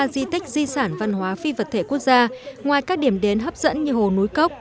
ba di tích di sản văn hóa phi vật thể quốc gia ngoài các điểm đến hấp dẫn như hồ núi cốc